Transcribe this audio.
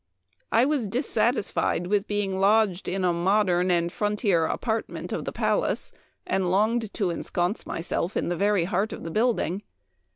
... I was dissatisfied with being lodged in a modern and frontier apartment of the palace, and longed to ensconce myself in the very heart of the building.